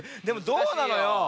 でもどうなのよ？